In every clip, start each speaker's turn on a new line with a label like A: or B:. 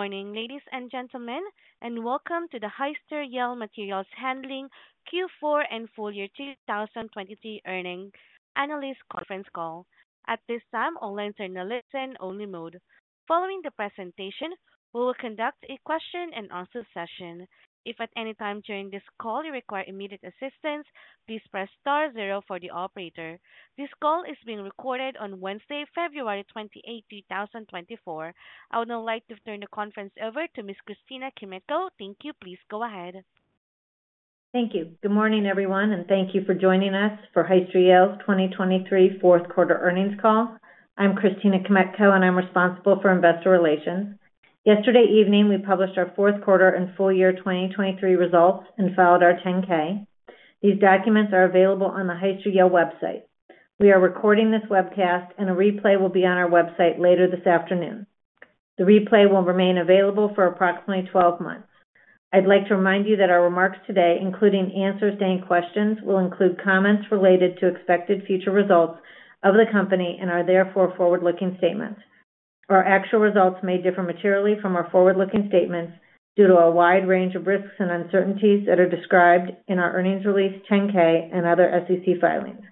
A: Good morning, ladies and gentlemen, and welcome to the Hyster-Yale Materials Handling Q4 and FY 2023 earnings analyst conference call. At this time, online journalism-only mode. Following the presentation, we will conduct a Q&A session. If at any time during this call you require immediate assistance, please press star zero for the operator. This call is being recorded on Wednesday, February 28, 2024. I would now like to turn the conference over to Ms. Christina Kmetko. Thank you, please go ahead.
B: Thank you. Good morning, everyone, and thank you for joining us for Hyster-Yale's 2023 Q4 earnings call. I'm Christina Kmetko, and I'm responsible for investor relations. Yesterday evening, we published our Q4 and FY 2023 results and filed our 10-K. These documents are available on the Hyster-Yale website. We are recording this webcast, and a replay will be on our website later this afternoon. The replay will remain available for approximately 12 months. I'd like to remind you that our remarks today, including answers to any questions, will include comments related to expected future results of the company and are therefore forward-looking statements. Our actual results may differ materially from our forward-looking statements due to a wide range of risks and uncertainties that are described in our earnings release, 10-K, and other SEC filings.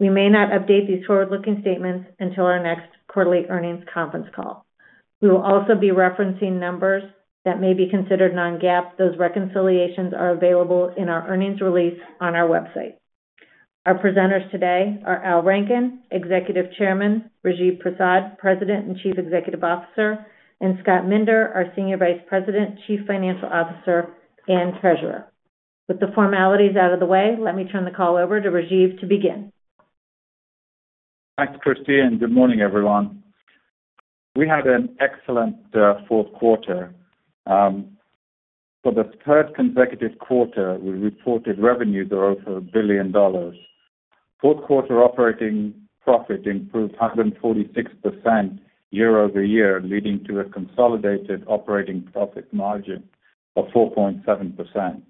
B: We may not update these forward-looking statements until our next quarterly earnings conference call. We will also be referencing numbers that may be considered non-GAAP. Those reconciliations are available in our earnings release on our website. Our presenters today are Al Rankin, Executive Chairman; Rajiv Prasad, President and Chief Executive Officer; and Scott Minder, our Senior Vice President, Chief Financial Officer, and Treasurer. With the formalities out of the way, let me turn the call over to Rajiv to begin.
C: Thanks, Christina, and good morning, everyone. We had an excellent Q4. For the third consecutive quarter, we reported revenues of over $1 billion. Q4 operating profit improved 146% year-over-year, leading to a consolidated operating profit margin of 4.7%.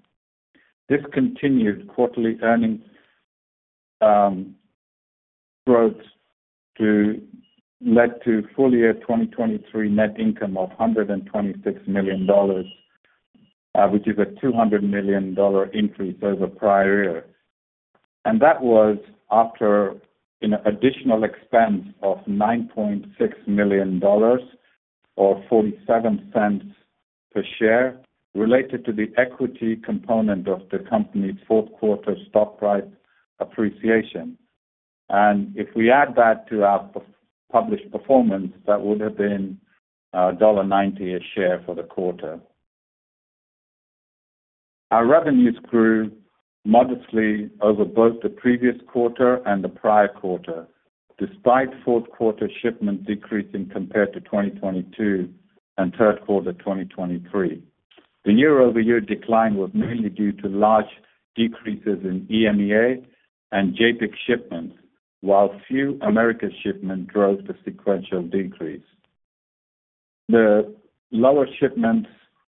C: This continued quarterly earnings growth led to FY 2023 net income of $126 million, which is a $200 million increase over prior years. And that was after an additional expense of $9.6 million or $0.47 per share related to the equity component of the company's Q4 stock price appreciation. And if we add that to our published performance, that would have been $1.90 a share for the quarter. Our revenues grew modestly over both the previous quarter and the prior quarter, despite Q4 shipments decreasing compared to 2022 and Q3 2023. The year-over-year decline was mainly due to large decreases in EMEA and JAPIC shipments, while Americas shipments drove the sequential decrease. The lower shipments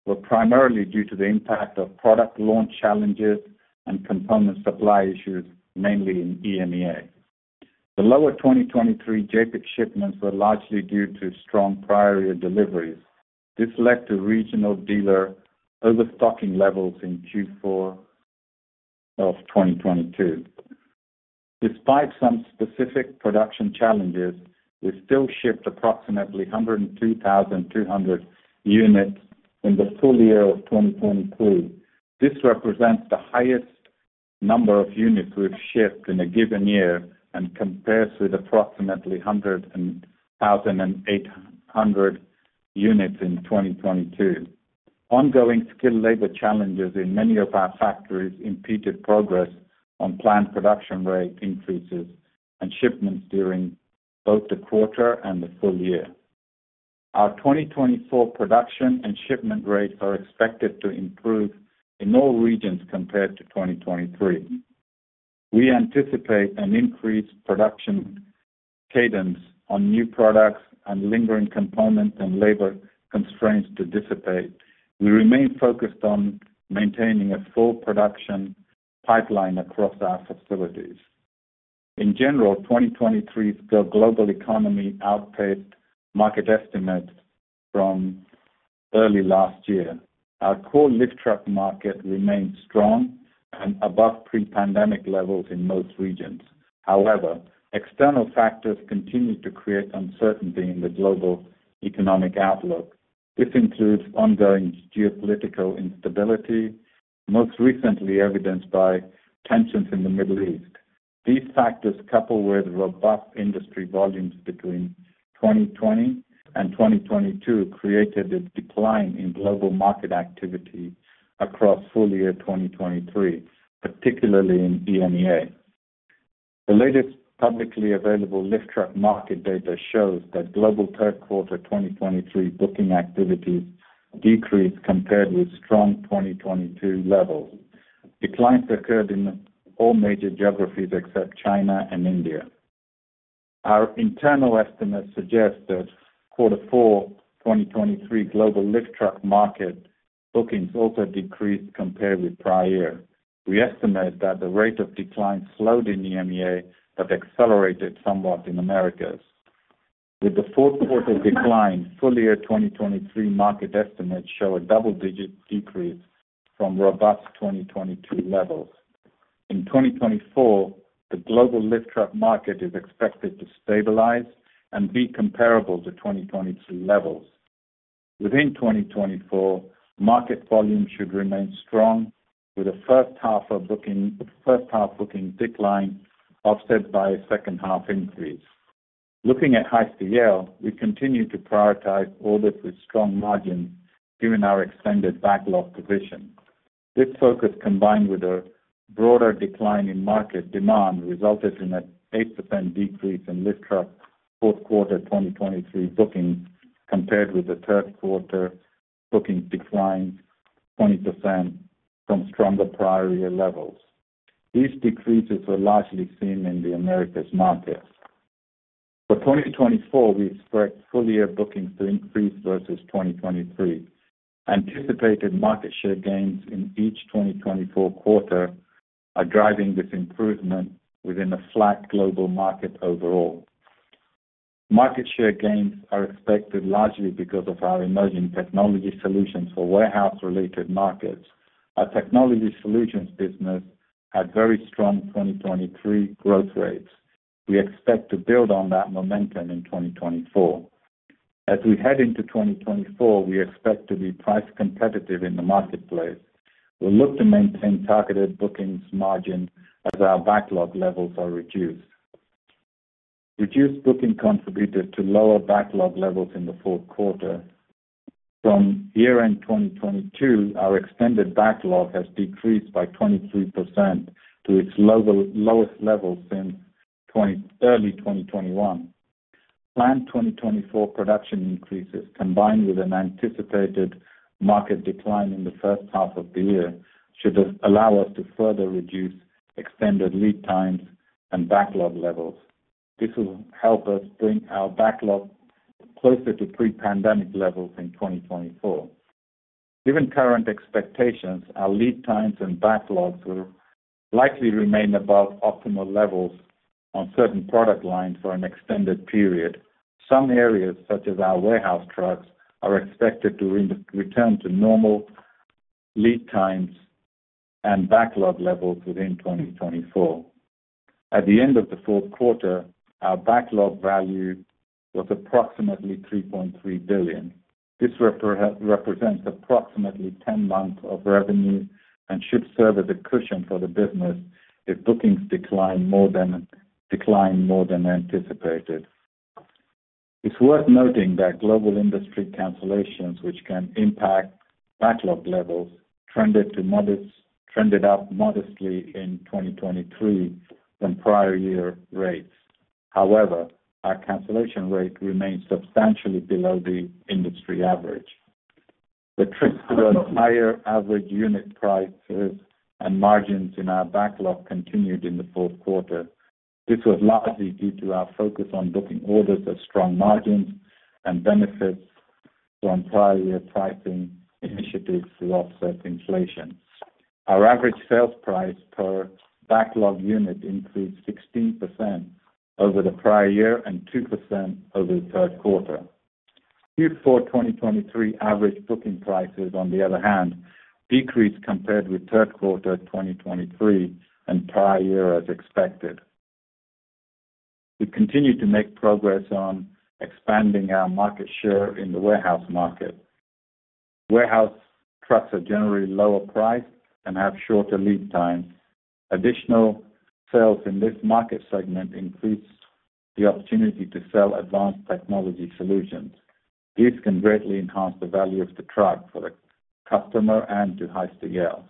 C: were primarily due to the impact of product launch challenges and component supply issues, mainly in EMEA. The lower 2023 JAPIC shipments were largely due to strong prior year deliveries. This led to regional dealer overstocking levels in Q4 of 2022. Despite some specific production challenges, we still shipped approximately 102,200 units in the FY of 2023. This represents the highest number of units we've shipped in a given year and compares with approximately 100,800 units in 2022. Ongoing skilled labor challenges in many of our factories impeded progress on planned production rate increases and shipments during both the quarter and the FY. Our 2024 production and shipment rates are expected to improve in all regions compared to 2023. We anticipate an increased production cadence on new products, and lingering component and labor constraints to dissipate. We remain focused on maintaining a full production pipeline across our facilities. In general, 2023's global economy outpaced market estimates from early last year. Our core lift truck market remained strong and above pre-pandemic levels in most regions. However, external factors continue to create uncertainty in the global economic outlook. This includes ongoing geopolitical instability, most recently evidenced by tensions in the Middle East. These factors, coupled with robust industry volumes between 2020 and 2022, created a decline in global market activity across FY 2023, particularly in EMEA. The latest publicly available lift truck market data shows that global Q3 2023 booking activities decreased compared with strong 2022 levels. Declines occurred in all major geographies except China and India. Our internal estimates suggest that Q4 2023 global lift truck market bookings also decreased compared with prior year. We estimate that the rate of decline slowed in EMEA but accelerated somewhat in Americas. With the Q4 decline, FY 2023 market estimates show a double-digit decrease from robust 2022 levels. In 2024, the global lift truck market is expected to stabilize and be comparable to 2022 levels. Within 2024, market volume should remain strong, with a first-half booking decline offset by a H2 increase. Looking at Hyster-Yale, we continue to prioritize orders with strong margins given our extended backlog position. This focus, combined with a broader decline in market demand, resulted in an 8% decrease in lift truck Q4 2023 bookings compared with the third quarter. Bookings declined 20% from stronger prior year levels. These decreases were largely seen in the Americas market. For 2024, we expect FY bookings to increase versus 2023. Anticipated market share gains in each 2024 quarter are driving this improvement within a flat global market overall. Market share gains are expected largely because of our emerging technology solutions for warehouse-related markets. Our technology solutions business had very strong 2023 growth rates. We expect to build on that momentum in 2024. As we head into 2024, we expect to be price competitive in the marketplace. We'll look to maintain targeted bookings margin as our backlog levels are reduced. Reduced booking contributed to lower backlog levels in the Q4. From year-end 2022, our extended backlog has decreased by 23% to its lowest level since early 2021. Planned 2024 production increases, combined with an anticipated market decline in the H1 of the year, should allow us to further reduce extended lead times and backlog levels. This will help us bring our backlog closer to pre-pandemic levels in 2024. Given current expectations, our lead times and backlogs will likely remain above optimal levels on certain product lines for an extended period. Some areas, such as our warehouse trucks, are expected to return to normal lead times and backlog levels within 2024. At the end of the Q4, our backlog value was approximately $3.3 billion. This represents approximately 10 months of revenue and should serve as a cushion for the business if bookings decline more than anticipated. It's worth noting that global industry cancellations, which can impact backlog levels, trended up modestly in 2023 than prior year rates. However, our cancellation rate remained substantially below the industry average. The trend towards higher average unit prices and margins in our backlog continued in the Q4 This was largely due to our focus on booking orders at strong margins and benefits from prior year pricing initiatives to offset inflation. Our average sales price per backlog unit increased 16% over the prior year and 2% over the Q3. Q4 2023 average booking prices, on the other hand, decreased compared with Q3 2023 and prior year as expected. We continue to make progress on expanding our market share in the warehouse market. Warehouse trucks are generally lower priced and have shorter lead times. Additional sales in this market segment increase the opportunity to sell advanced technology solutions. These can greatly enhance the value of the truck for the customer and to Hyster-Yale.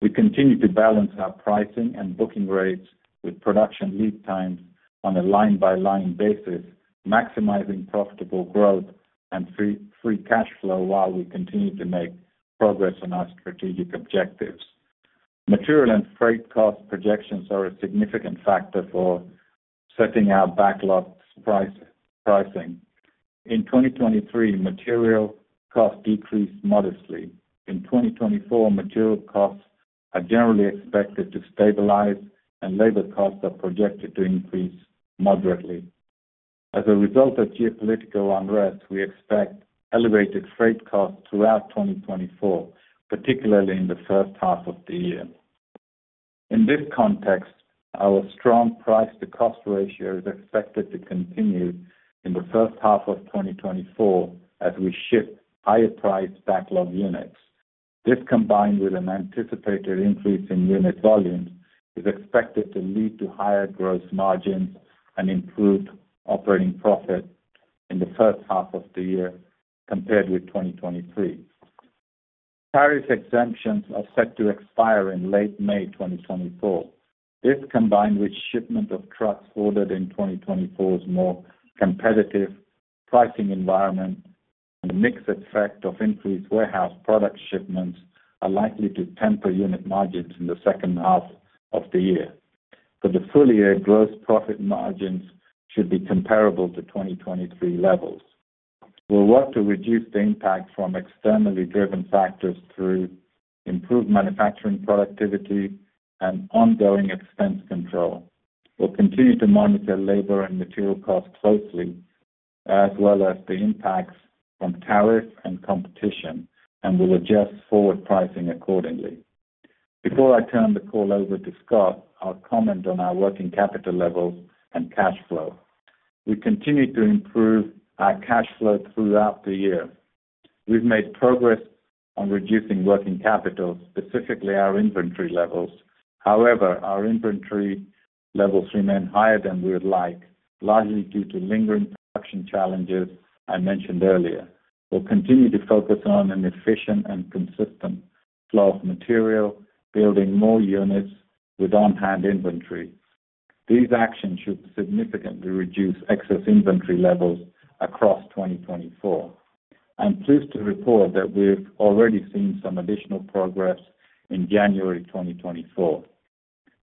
C: We continue to balance our pricing and booking rates with production lead times on a line-by-line basis, maximizing profitable growth and free cash flow while we continue to make progress on our strategic objectives. Material and freight cost projections are a significant factor for setting our backlog pricing. In 2023, material costs decreased modestly. In 2024, material costs are generally expected to stabilize, and labor costs are projected to increase moderately. As a result of geopolitical unrest, we expect elevated freight costs throughout 2024, particularly in the H1 of the year. In this context, our strong price-to-cost ratio is expected to continue in the H1 of 2024 as we ship higher-priced backlog units. This, combined with an anticipated increase in unit volumes, is expected to lead to higher gross margins and improved operating profit in the H1 of the year compared with 2023. Tariff exemptions are set to expire in late May 2024. This, combined with shipment of trucks ordered in 2024's more competitive pricing environment and the mixed effect of increased warehouse product shipments, are likely to temper unit margins in the H2 of the year. For the FY, gross profit margins should be comparable to 2023 levels. We'll work to reduce the impact from externally driven factors through improved manufacturing productivity and ongoing expense control. We'll continue to monitor labor and material costs closely, as well as the impacts from tariff and competition, and we'll adjust forward pricing accordingly. Before I turn the call over to Scott, I'll comment on our working capital levels and cash flow. We continue to improve our cash flow throughout the year. We've made progress on reducing working capital, specifically our inventory levels. However, our inventory levels remain higher than we would like, largely due to lingering production challenges I mentioned earlier. We'll continue to focus on an efficient and consistent flow of material, building more units with on-hand inventory. These actions should significantly reduce excess inventory levels across 2024. I'm pleased to report that we've already seen some additional progress in January 2024.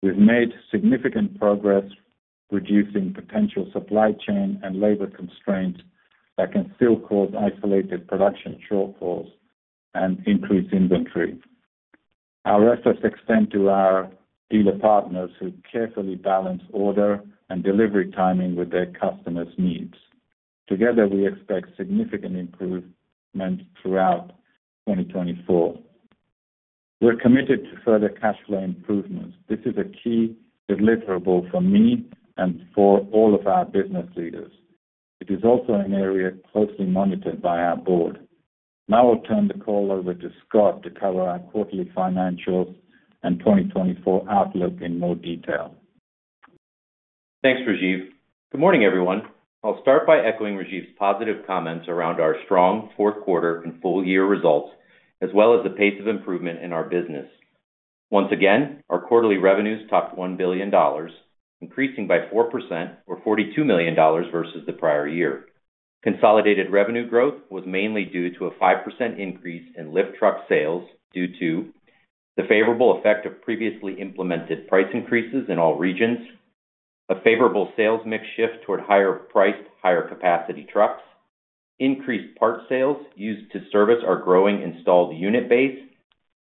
C: We've made significant progress reducing potential supply chain and labor constraints that can still cause isolated production shortfalls and increased inventory. Our efforts extend to our dealer partners who carefully balance order and delivery timing with their customers' needs. Together, we expect significant improvements throughout 2024. We're committed to further cash flow improvements. This is a key deliverable for me and for all of our business leaders. It is also an area closely monitored by our board. Now I'll turn the call over to Scott to cover our quarterly financials and 2024 outlook in more detail.
D: Thanks, Rajiv. Good morning, everyone. I'll start by echoing Rajiv's positive comments around our strong Q4 and FY results, as well as the pace of improvement in our business. Once again, our quarterly revenues topped $1 billion, increasing by 4%, or $42 million versus the prior year. Consolidated revenue growth was mainly due to a 5% increase in lift truck sales due to the favorable effect of previously implemented price increases in all regions, a favorable sales mix shift toward higher-priced, higher-capacity trucks, increased part sales used to service our growing installed unit base,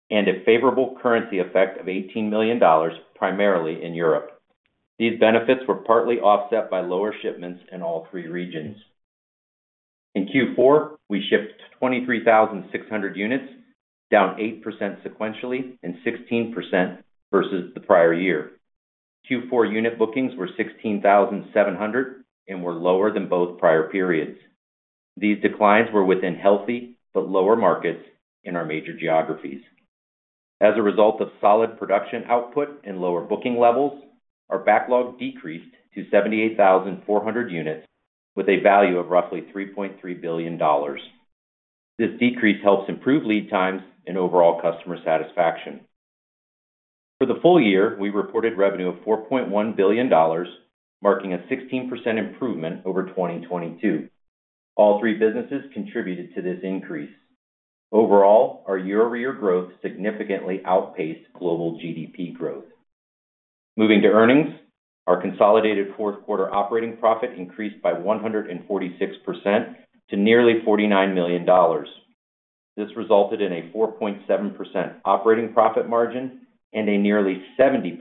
D: and a favorable currency effect of $18 million, primarily in Europe. These benefits were partly offset by lower shipments in all three regions. In Q4, we shipped 23,600 units, down 8% sequentially and 16% versus the prior year. Q4 unit bookings were 16,700 and were lower than both prior periods. These declines were within healthy but lower markets in our major geographies. As a result of solid production output and lower booking levels, our backlog decreased to 78,400 units with a value of roughly $3.3 billion. This decrease helps improve lead times and overall customer satisfaction. For the FY, we reported revenue of $4.1 billion, marking a 16% improvement over 2022. All three businesses contributed to this increase. Overall, our year-over-year growth significantly outpaced global GDP growth. Moving to earnings, our consolidated Q4 operating profit increased by 146% to nearly $49 million. This resulted in a 4.7% operating profit margin and a nearly 70%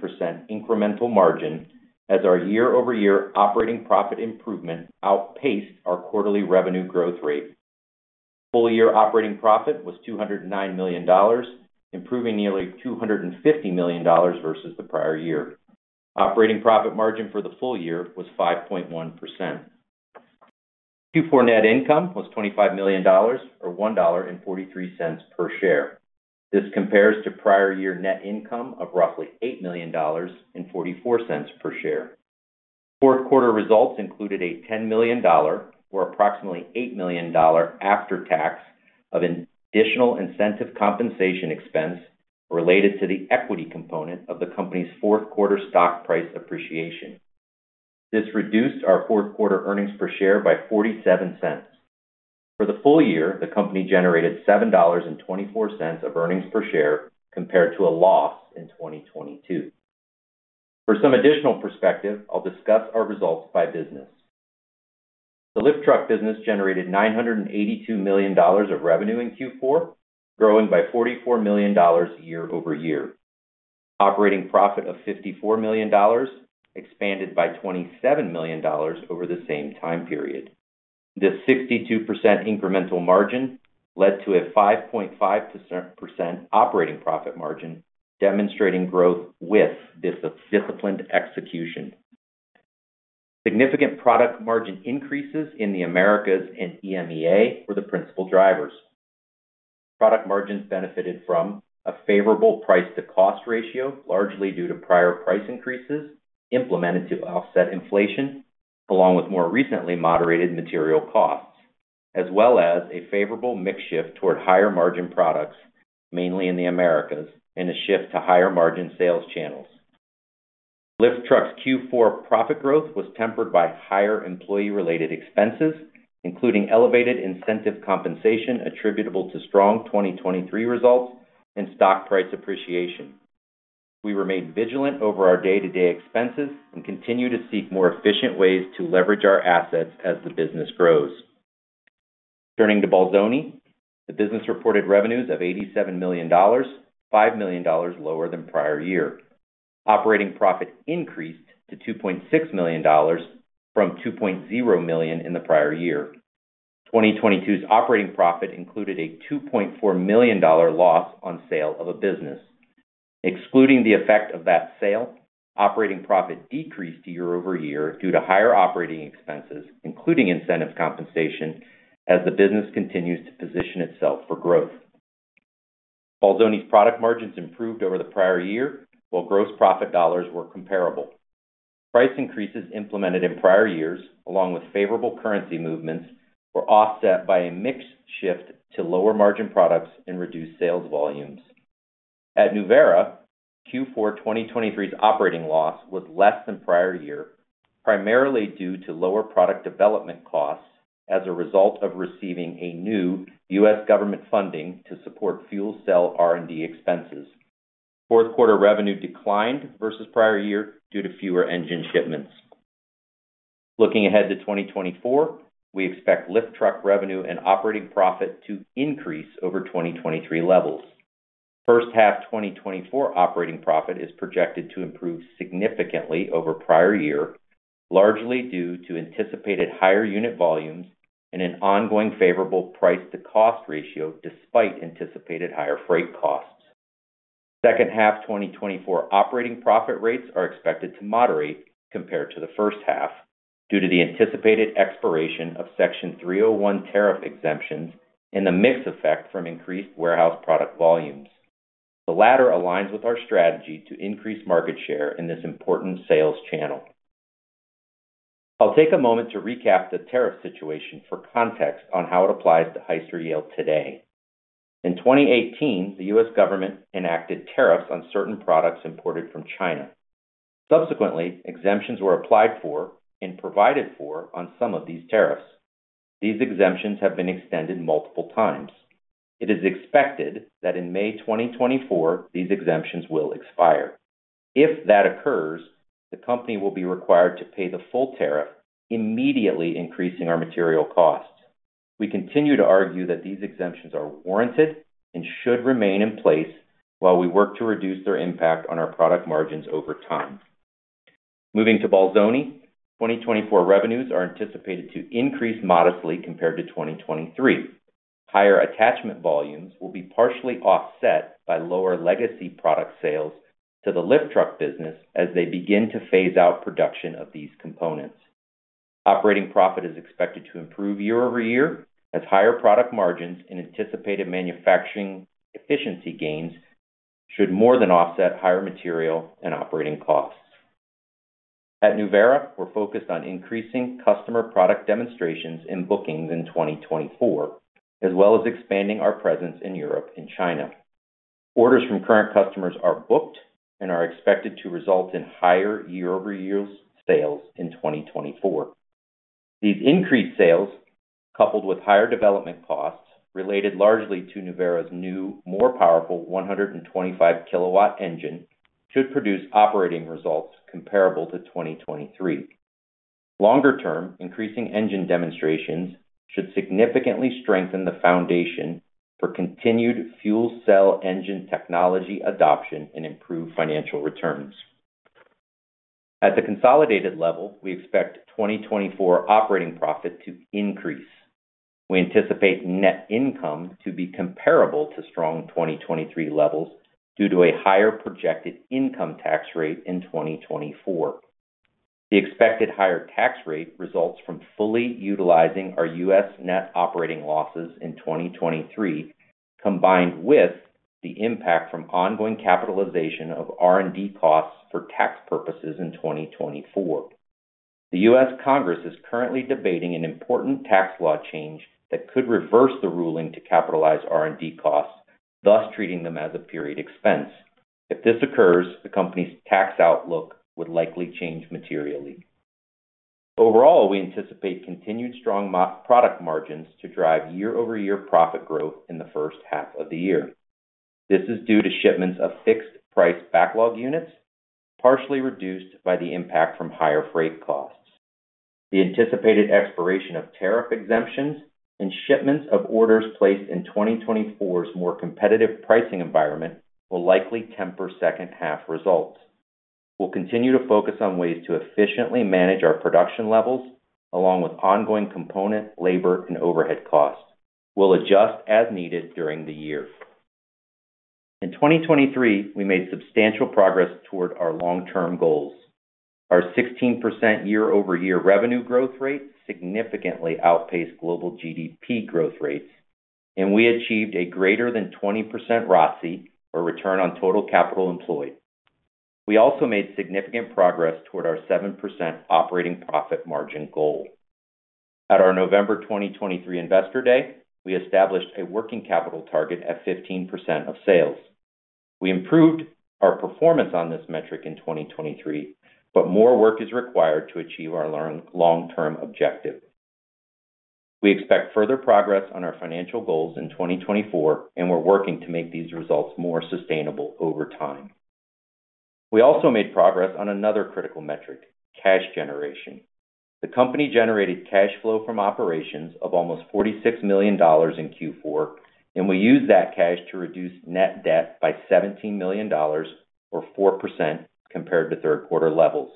D: incremental margin, as our year-over-year operating profit improvement outpaced our quarterly revenue growth rate. FY operating profit was $209 million, improving nearly $250 million versus the prior year. Operating profit margin for the FY was 5.1%. Q4 net income was $25 million, or $1.43 per share. This compares to prior year net income of roughly $8 million and $0.44 per share. Q4 results included a $10 million, or approximately $8 million after-tax, of additional incentive compensation expense related to the equity component of the company's Q4 stock price appreciation. This reduced our Q4 earnings per share by $0.47. For the FY, the company generated $7.24 of earnings per share compared to a loss in 2022. For some additional perspective, I'll discuss our results by business. The lift truck business generated $982 million of revenue in Q4, growing by $44 million year-over-year. Operating profit of $54 million expanded by $27 million over the same time period. This 62% incremental margin led to a 5.5% operating profit margin, demonstrating growth with disciplined execution. Significant product margin increases in the Americas and EMEA were the principal drivers. Product margins benefited from a favorable price-to-cost ratio, largely due to prior price increases implemented to offset inflation, along with more recently moderated material costs, as well as a favorable mix shift toward higher-margin products, mainly in the Americas, and a shift to higher-margin sales channels. Lift trucks' Q4 profit growth was tempered by higher employee-related expenses, including elevated incentive compensation attributable to strong 2023 results and stock price appreciation. We remained vigilant over our day-to-day expenses and continue to seek more efficient ways to leverage our assets as the business grows. Turning to Bolzoni, the business reported revenues of $87 million, $5 million lower than prior year. Operating profit increased to $2.6 million from $2.0 million in the prior year. 2022's operating profit included a $2.4 million loss on sale of a business. Excluding the effect of that sale, operating profit decreased year-over-year due to higher operating expenses, including incentive compensation, as the business continues to position itself for growth. Bolzoni's product margins improved over the prior year, while gross profit dollars were comparable. Price increases implemented in prior years, along with favorable currency movements, were offset by a mix shift to lower-margin products and reduced sales volumes. At Nuvera, Q4 2023's operating loss was less than prior year, primarily due to lower product development costs as a result of receiving a new U.S. government funding to support fuel cell R&D expenses. Q4 revenue declined versus prior year due to fewer engine shipments. Looking ahead to 2024, we expect lift truck revenue and operating profit to increase over 2023 levels. H1 2024 operating profit is projected to improve significantly over prior year, largely due to anticipated higher unit volumes and an ongoing favorable price-to-cost ratio despite anticipated higher freight costs. H2 2024 operating profit rates are expected to moderate compared to the H1 due to the anticipated expiration of Section 301 Tariff exemptions and the mix effect from increased warehouse product volumes. The latter aligns with our strategy to increase market share in this important sales channel. I'll take a moment to recap the tariff situation for context on how it applies to Hyster-Yale today. In 2018, the U.S. government enacted tariffs on certain products imported from China. Subsequently, exemptions were applied for and provided for on some of these tariffs. These exemptions have been extended multiple times. It is expected that in May 2024, these exemptions will expire. If that occurs, the company will be required to pay the full tariff, immediately increasing our material costs. We continue to argue that these exemptions are warranted and should remain in place while we work to reduce their impact on our product margins over time. Moving to Bolzoni, 2024 revenues are anticipated to increase modestly compared to 2023. Higher attachment volumes will be partially offset by lower legacy product sales to the lift truck business as they begin to phase out production of these components. Operating profit is expected to improve year-over-year as higher product margins and anticipated manufacturing efficiency gains should more than offset higher material and operating costs. At Nuvera, we're focused on increasing customer product demonstrations and bookings in 2024, as well as expanding our presence in Europe and China. Orders from current customers are booked and are expected to result in higher year-over-year sales in 2024. These increased sales, coupled with higher development costs related largely to Nuvera's new, more powerful 125kW engine, should produce operating results comparable to 2023. Longer-term increasing engine demonstrations should significantly strengthen the foundation for continued fuel cell engine technology adoption and improve financial returns. At the consolidated level, we expect 2024 operating profit to increase. We anticipate net income to be comparable to strong 2023 levels due to a higher projected income tax rate in 2024. The expected higher tax rate results from fully utilizing our U.S. net operating losses in 2023, combined with the impact from ongoing capitalization of R&D costs for tax purposes in 2024. The U.S. Congress is currently debating an important tax law change that could reverse the ruling to capitalize R&D costs, thus treating them as a period expense. If this occurs, the company's tax outlook would likely change materially. Overall, we anticipate continued strong product margins to drive year-over-year profit growth in the H1 of the year. This is due to shipments of fixed-price backlog units, partially reduced by the impact from higher freight costs. The anticipated expiration of tariff exemptions and shipments of orders placed in 2024's more competitive pricing environment will likely temper H2 results. We'll continue to focus on ways to efficiently manage our production levels, along with ongoing component labor and overhead costs. We'll adjust as needed during the year. In 2023, we made substantial progress toward our long-term goals. Our 16% year-over-year revenue growth rate significantly outpaced global GDP growth rates, and we achieved a greater than 20% ROTCE, or return on total capital employed. We also made significant progress toward our 7% operating profit margin goal. At our November 2023 Investor Day, we established a working capital target at 15% of sales. We improved our performance on this metric in 2023, but more work is required to achieve our long-term objective. We expect further progress on our financial goals in 2024, and we're working to make these results more sustainable over time. We also made progress on another critical metric: cash generation. The company generated cash flow from operations of almost $46 million in Q4, and we used that cash to reduce net debt by $17 million, or 4%, compared to Q3 levels.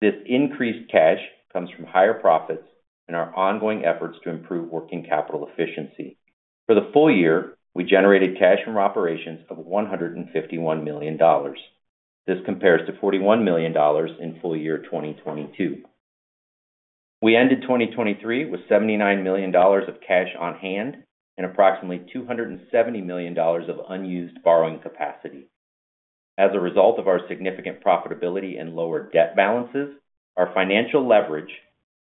D: This increased cash comes from higher profits and our ongoing efforts to improve working capital efficiency. For the FY, we generated cash from operations of $151 million. This compares to $41 million in FY 2022. We ended 2023 with $79 million of cash on hand and approximately $270 million of unused borrowing capacity. As a result of our significant profitability and lower debt balances, our financial leverage,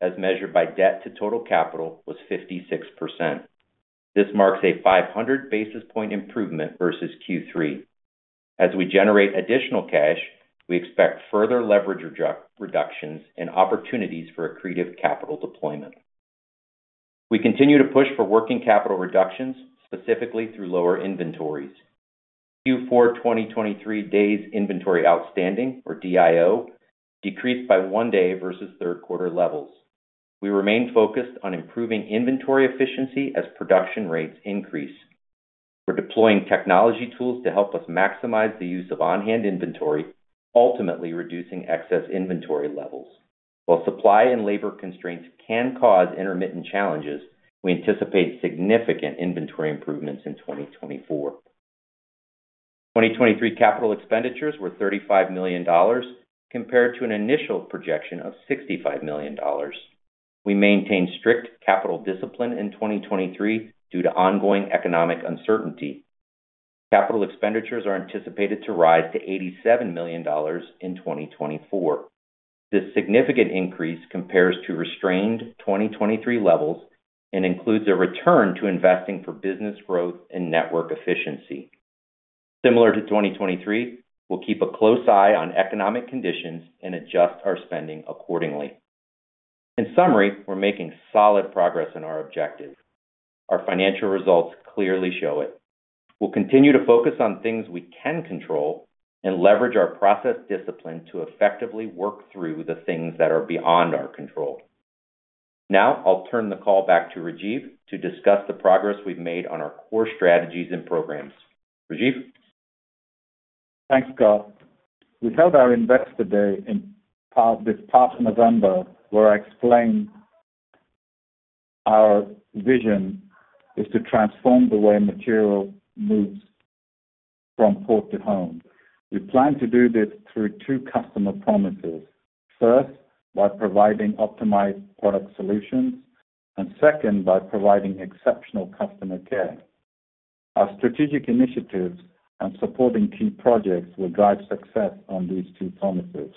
D: as measured by debt to total capital, was 56%. This marks a 500 basis point improvement versus Q3. As we generate additional cash, we expect further leverage reductions and opportunities for accretive capital deployment. We continue to push for working capital reductions, specifically through lower inventories. Q4 2023 Days Inventory Outstanding, or DIO, decreased by one day versus Q3 levels. We remain focused on improving inventory efficiency as production rates increase. We're deploying technology tools to help us maximize the use of on-hand inventory, ultimately reducing excess inventory levels. While supply and labor constraints can cause intermittent challenges, we anticipate significant inventory improvements in 2024. 2023 capital expenditures were $35 million compared to an initial projection of $65 million. We maintain strict capital discipline in 2023 due to ongoing economic uncertainty. Capital expenditures are anticipated to rise to $87 million in 2024. This significant increase compares to restrained 2023 levels and includes a return to investing for business growth and network efficiency. Similar to 2023, we'll keep a close eye on economic conditions and adjust our spending accordingly. In summary, we're making solid progress in our objective. Our financial results clearly show it. We'll continue to focus on things we can control and leverage our process discipline to effectively work through the things that are beyond our control. Now, I'll turn the call back to Rajiv to discuss the progress we've made on our core strategies and programs. Rajiv?
C: Thanks, Scott. We held our Investor Day this past November, where I explained our vision is to transform the way material moves from port to home. We plan to do this through two customer promises: first, by providing optimized product solutions, and second, by providing exceptional customer care. Our strategic initiatives and supporting key projects will drive success on these two promises.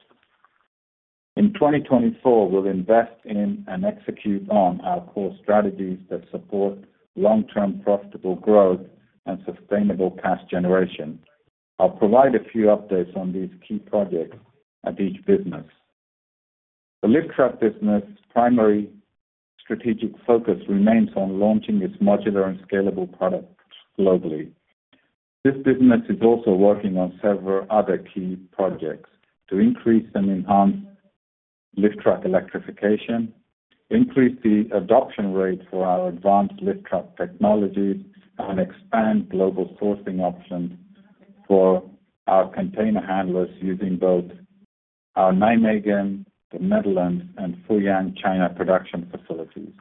C: In 2024, we'll invest in and execute on our core strategies that support long-term profitable growth and sustainable cash generation. I'll provide a few updates on these key projects at each business. The lift truck business' primary strategic focus remains on launching its modular and scalable product globally. This business is also working on several other key projects to increase and enhance lift truck electrification, increase the adoption rate for our advanced lift truck technologies, and expand global sourcing options for our container handlers using both our Nijmegen, the Netherlands, and Fuyang, China production facilities.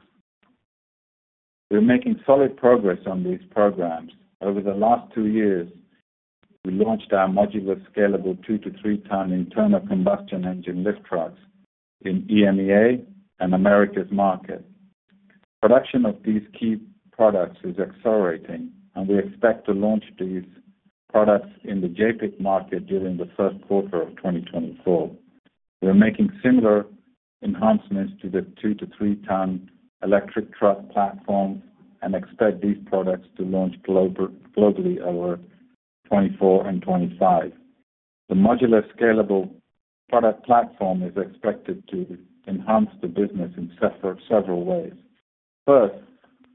C: We're making solid progress on these programs. Over the last two years, we launched our modular, scalable two to three ton internal combustion engine lift trucks in EMEA and America's market. Production of these key products is accelerating, and we expect to launch these products in the JPIC market during the first quarter of 2024. We're making similar enhancements to the two to three ton electric truck platforms and expect these products to launch globally over 2024 and 2025. The modular, scalable product platform is expected to enhance the business in several ways: first,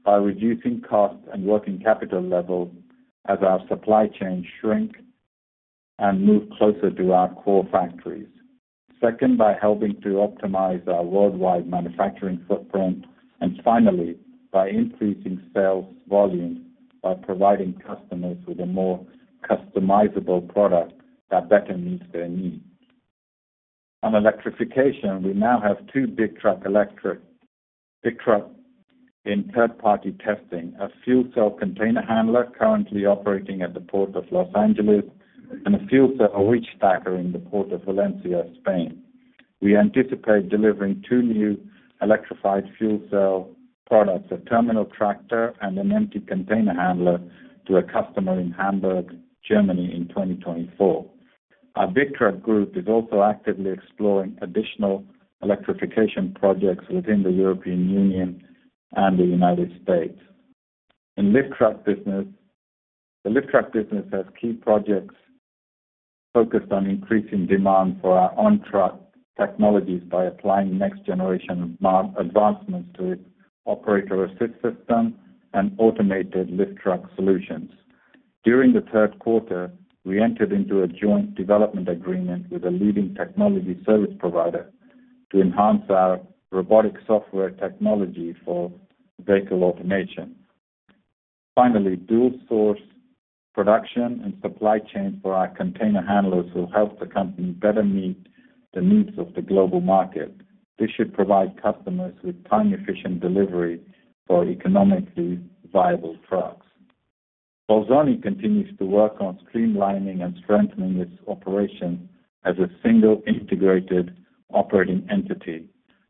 C: by reducing cost and working capital levels as our supply chains shrink and move closer to our core factories. Second, by helping to optimize our worldwide manufacturing footprint. And finally, by increasing sales volume by providing customers with a more customizable product that better meets their needs. On electrification, we now have two big truck in third-party testing: a fuel cell container handler currently operating at the Port of Los Angeles and a fuel cell reach stacker in the Port of Valencia, Spain. We anticipate delivering two new electrified fuel cell products, a terminal tractor and an empty container handler, to a customer in Hamburg, Germany in 2024. Our big truck group is also actively exploring additional electrification projects within the European Union and the United States. In the lift truck business, the lift truck business has key projects focused on increasing demand for our on-truck technologies by applying next-generation advancements to its operator assist system and automated lift truck solutions. During the Q3, we entered into a joint development agreement with a leading technology service provider to enhance our robotic software technology for vehicle automation. Finally, dual-source production and supply chain for our container handlers will help the company better meet the needs of the global market. This should provide customers with time-efficient delivery for economically viable trucks. Bolzoni continues to work on streamlining and strengthening its operations as a single integrated operating entity.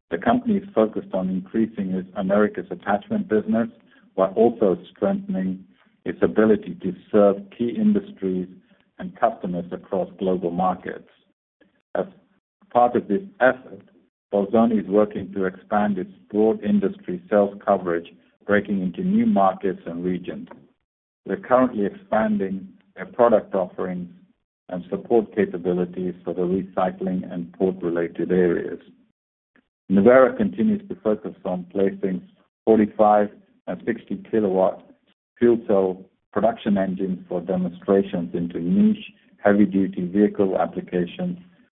C: The company is focused on increasing its Americas attachment business while also strengthening its ability to serve key industries and customers across global markets. As part of this effort, Bolzoni is working to expand its broad industry sales coverage, breaking into new markets and regions. We're currently expanding their product offerings and support capabilities for the recycling and port-related areas. Nuvera continues to focus on placing 45 and 60kW fuel cell production engines for demonstrations into niche, heavy-duty vehicle applications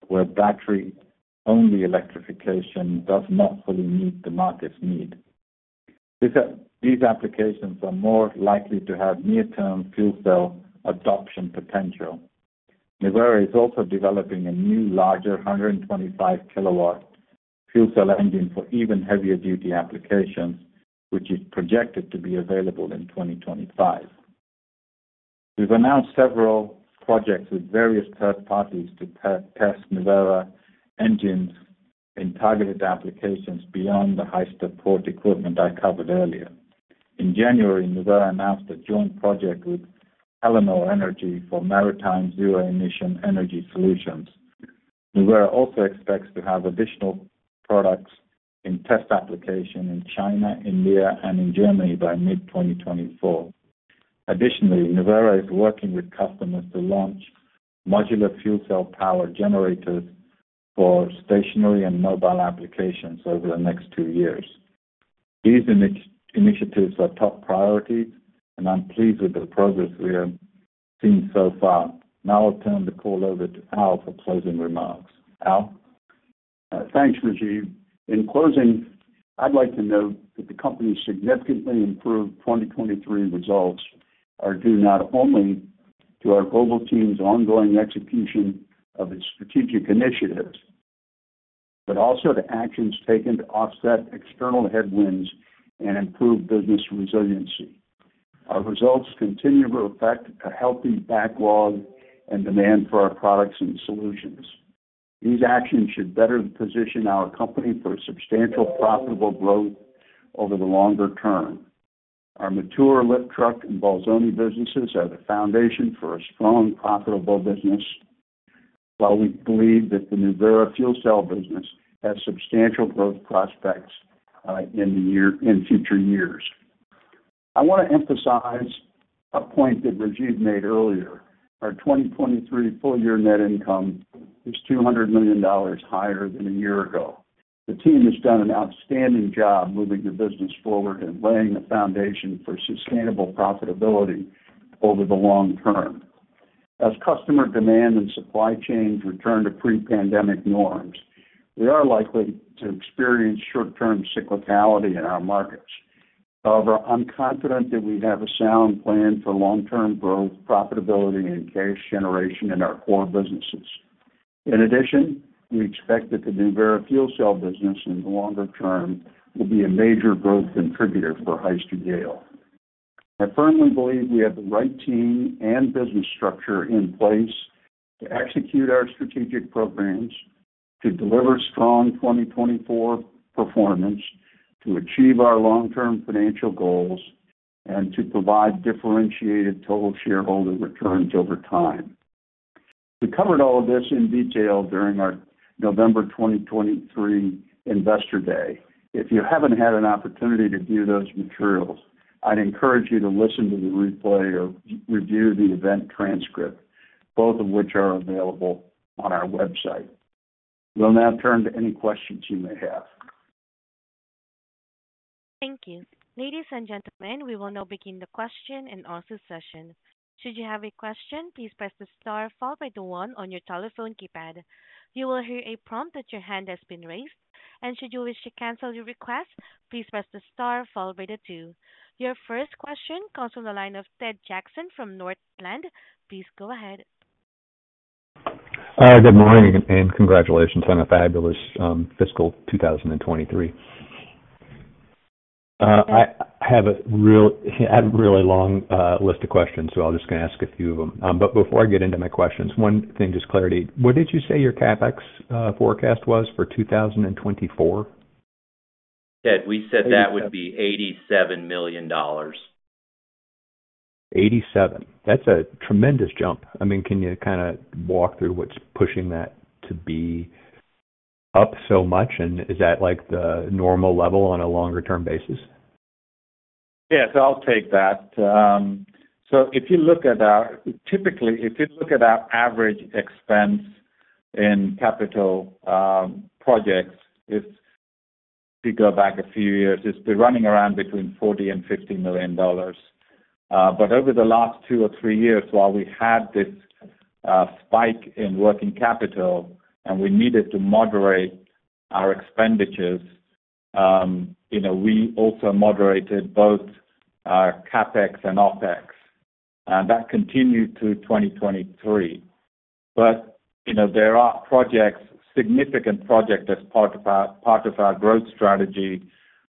C: where battery-only electrification does not fully meet the market's need. These applications are more likely to have near-term fuel cell adoption potential. Nuvera is also developing a new, larger 125kW fuel cell engine for even heavier-duty applications, which is projected to be available in 2025. We've announced several projects with various third parties to test Nuvera engines in targeted applications beyond the Hyster port equipment I covered earlier. In January, Nuvera announced a joint project with Helinor Energy for maritime zero-emission energy solutions. Nuvera also expects to have additional products in test application in China, India, and in Germany by mid-2024. Additionally, Nuvera is working with customers to launch modular fuel cell-powered generators for stationary and mobile applications over the next two years. These initiatives are top priorities, and I'm pleased with the progress we have seen so far. Now I'll turn the call over to Al for closing remarks. Al?
E: Thanks, Rajiv. In closing, I'd like to note that the company's significantly improved 2023 results are due not only to our global team's ongoing execution of its strategic initiatives but also to actions taken to offset external headwinds and improve business resiliency. Our results continue to reflect a healthy backlog and demand for our products and solutions. These actions should better position our company for substantial profitable growth over the longer term. Our mature lift truck and Bolzoni businesses are the foundation for a strong, profitable business, while we believe that the Nuvera fuel cell business has substantial growth prospects in future years. I want to emphasize a point that Rajiv made earlier. Our 2023 full-year net income is $200 million higher than a year ago. The team has done an outstanding job moving the business forward and laying the foundation for sustainable profitability over the long term. As customer demand and supply chains return to pre-pandemic norms, we are likely to experience short-term cyclicality in our markets. However, I'm confident that we have a sound plan for long-term growth, profitability, and cash generation in our core businesses. In addition, we expect that the Nuvera fuel cell business, in the longer term, will be a major growth contributor for Hyster-Yale. I firmly believe we have the right team and business structure in place to execute our strategic programs, to deliver strong 2024 performance, to achieve our long-term financial goals, and to provide differentiated total shareholder returns over time. We covered all of this in detail during our November 2023 Investor Day. If you haven't had an opportunity to view those materials, I'd encourage you to listen to the replay or review the event transcript, both of which are available on our website. We'll now turn to any questions you may have.
A: Thank you. Ladies and gentlemen, we will now begin the question and answer session. Should you have a question, please press the star followed by the one on your telephone keypad. You will hear a prompt that your hand has been raised, and should you wish to cancel your request, please press the star followed by the two. Your first question comes from the line of Ted Jackson from Northland. Please go ahead.
F: Good morning and congratulations on a fabulous fiscal 2023. I have a really long list of questions, so I'm just going to ask a few of them. But before I get into my questions, one thing just for clarity. What did you say your CapEx forecast was for 2024?
D: Ted, we said that would be $87 million.
F: 87. That's a tremendous jump. I mean, can you kind of walk through what's pushing that to be up so much, and is that the normal level on a longer-term basis?
C: Yeah, so I'll take that. So if you look at our typical expense in capital projects, if we go back a few years, it's been running around between $40 million and $50 million. But over the last two or three years, while we had this spike in working capital and we needed to moderate our expenditures, we also moderated both our CapEx and OpEx, and that continued through 2023. But there are projects, significant projects, as part of our growth strategy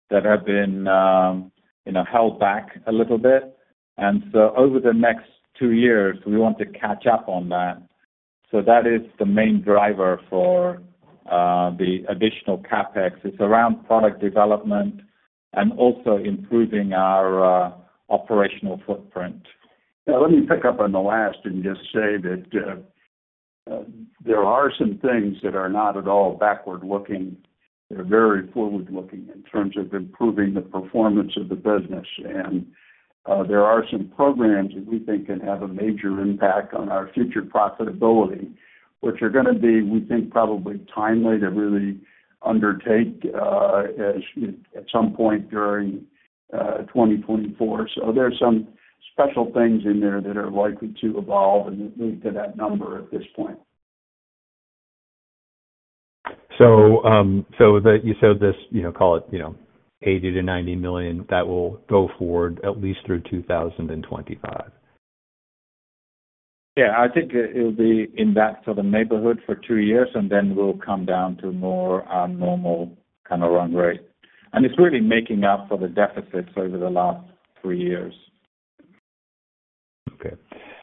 C: that have been held back a little bit. And so over the next two years, we want to catch up on that. So that is the main driver for the additional CapEx. It's around product development and also improving our operational footprint. Yeah, let me pick up on the last and just say that there are some things that are not at all backward-looking. They're very forward-looking in terms of improving the performance of the business. And there are some programs that we think can have a major impact on our future profitability, which are going to be, we think, probably timely to really undertake at some point during 2024. So there are some special things in there that are likely to evolve and that lead to that number at this point.
F: You said this, call it $80 million-$90 million. That will go forward at least through 2025?
B: Yeah, I think it will be in that sort of neighborhood for 2 years, and then we'll come down to more normal kind of run rate. It's really making up for the deficits over the last 3 years.
F: Okay.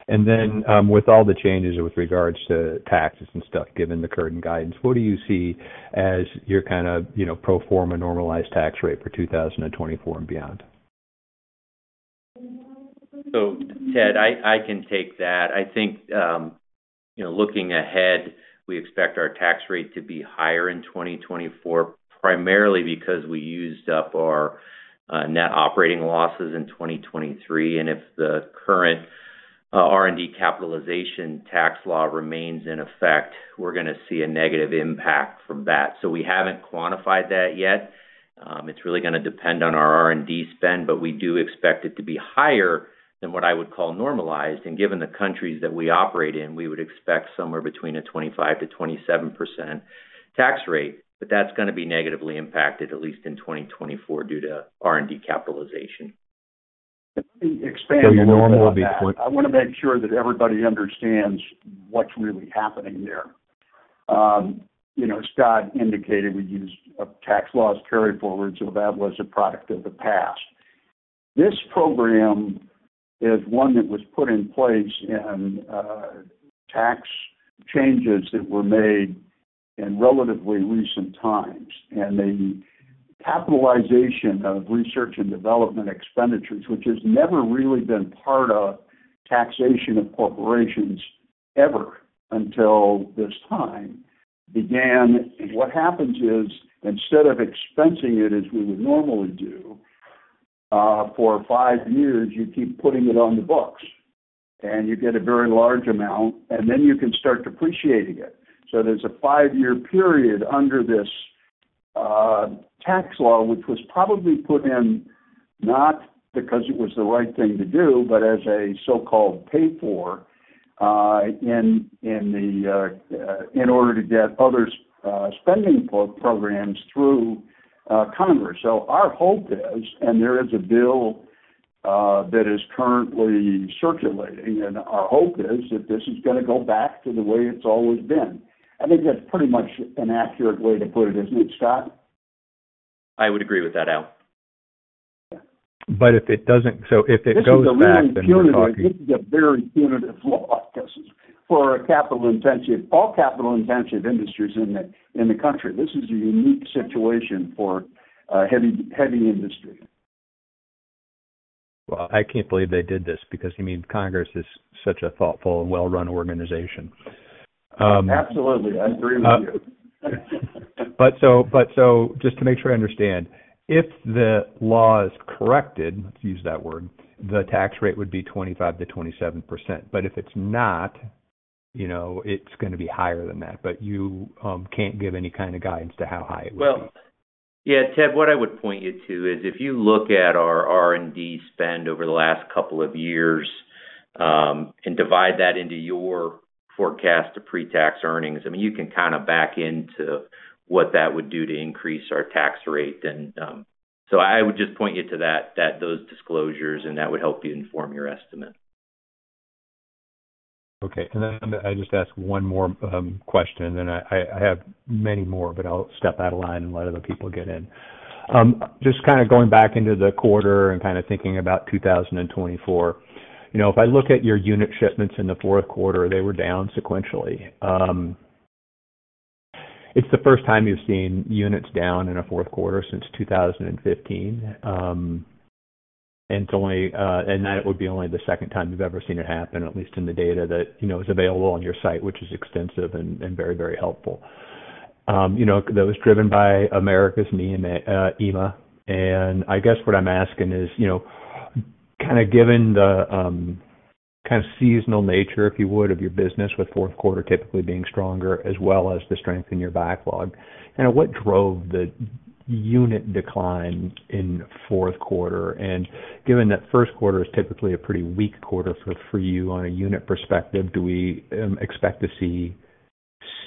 F: And then with all the changes with regards to taxes and stuff, given the current guidance, what do you see as your kind of pro forma normalized tax rate for 2024 and beyond?
D: Ted, I can take that. I think looking ahead, we expect our tax rate to be higher in 2024, primarily because we used up our Net Operating Losses in 2023. If the current R&D capitalization tax law remains in effect, we're going to see a negative impact from that. We haven't quantified that yet. It's really going to depend on our R&D spend, but we do expect it to be higher than what I would call normalized. Given the countries that we operate in, we would expect somewhere between a 25%-27% tax rate, but that's going to be negatively impacted, at least in 2024, due to R&D capitalization.
E: Let me expand on that. I want to make sure that everybody understands what's really happening there. Scott indicated we used a tax loss carryforward, so that was a product of the past. This program is one that was put in place in tax changes that were made in relatively recent times. The capitalization of research and development expenditures, which has never really been part of taxation of corporations ever until this time, began. What happens is, instead of expensing it as we would normally do, for five years, you keep putting it on the books, and you get a very large amount, and then you can start depreciating it. So there's a five-year period under this tax law, which was probably put in not because it was the right thing to do, but as a so-called pay-for in order to get other spending programs through Congress. So our hope is, and there is a bill that is currently circulating, and our hope is that this is going to go back to the way it's always been. I think that's pretty much an accurate way to put it, isn't it, Scott?
D: I would agree with that, Al.
F: But if it doesn't, so if it goes back, then we're talking.
C: This is a very punitive law for all capital-intensive industries in the country. This is a unique situation for heavy industry.
F: Well, I can't believe they did this because, I mean, Congress is such a thoughtful and well-run organization.
C: Absolutely. I agree with you.
F: So just to make sure I understand, if the law is corrected, let's use that word, the tax rate would be 25%-27%. If it's not, it's going to be higher than that. You can't give any kind of guidance to how high it would be.
D: Well, yeah, Ted, what I would point you to is, if you look at our R&D spend over the last couple of years and divide that into your forecast to pre-tax earnings, I mean, you can kind of back into what that would do to increase our tax rate. And so I would just point you to those disclosures, and that would help you inform your estimate.
F: Okay. And then I just ask one more question, and then I have many more, but I'll step out of line and let other people get in. Just kind of going back into the quarter and kind of thinking about 2024, if I look at your unit shipments in the fourth quarter, they were down sequentially. It's the first time you've seen units down in a Q4 since 2015. And that would be only the second time you've ever seen it happen, at least in the data that is available on your site, which is extensive and very, very helpful. That was driven by Americas EMEA. I guess what I'm asking is, kind of given the kind of seasonal nature, if you would, of your business, with fourth quarter typically being stronger as well as the strength in your backlog, kind of what drove the unit decline in Q4? Given that first quarter is typically a pretty weak quarter for you on a unit perspective, do we expect to see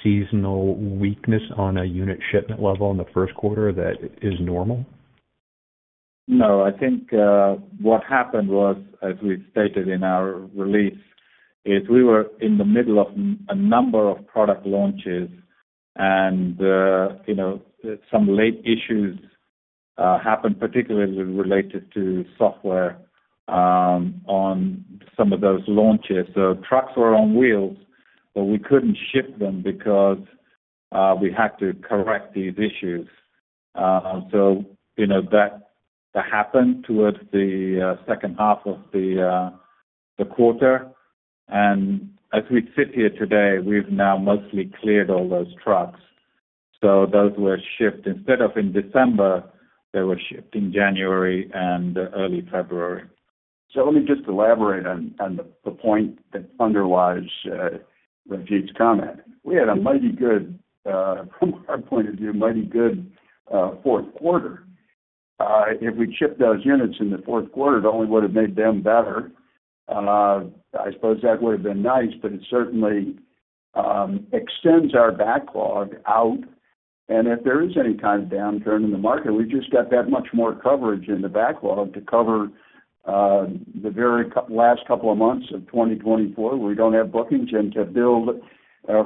F: seasonal weakness on a unit shipment level in the first quarter that is normal?
C: No, I think what happened was, as we stated in our release, is we were in the middle of a number of product launches, and some late issues happened, particularly related to software, on some of those launches. So trucks were on wheels, but we couldn't ship them because we had to correct these issues. So that happened towards the H2 of the quarter. And as we sit here today, we've now mostly cleared all those trucks. So those were shipped. Instead of in December, they were shipped in January and early February.
E: Let me just elaborate on the point that underlies Rajiv's comment. We had a mighty good, from our point of view, mighty good Q4. If we shipped those units in the Q4, it only would have made them better. I suppose that would have been nice, but it certainly extends our backlog out. If there is any kind of downturn in the market, we just got that much more coverage in the backlog to cover the very last couple of months of 2024 where we don't have bookings and to build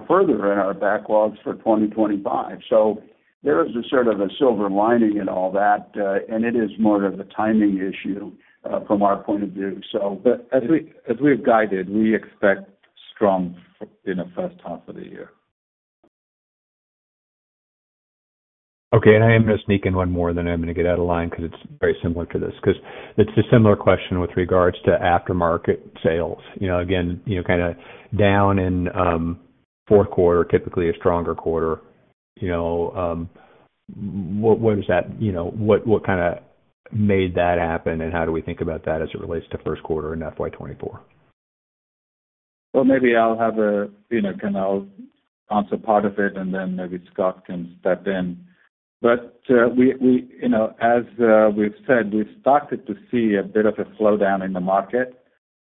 E: further in our backlogs for 2025. There is sort of a silver lining in all that, and it is more of a timing issue from our point of view, so. As we've guided, we expect strong H1 of the year.
F: Okay. And I am going to sneak in one more, and then I'm going to get out of line because it's very similar to this, because it's a similar question with regards to aftermarket sales. Again, kind of down in Q4, typically a stronger quarter. What is that what kind of made that happen, and how do we think about that as it relates to first quarter and FY2024?
C: Well, maybe I'll answer part of it, and then maybe Scott can step in. As we've said, we've started to see a bit of a slowdown in the market.